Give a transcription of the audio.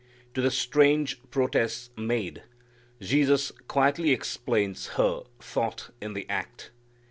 To the strange protests made, Jesus quietly explains her thought in the act.